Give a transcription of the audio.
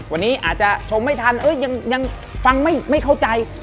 วันนี้อาจจะชมไม่ทันยังฟังไม่เข้าใจ